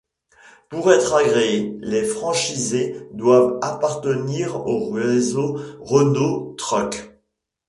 Pour être agréés, les franchisés doivent appartenir au réseau Renault Trucks.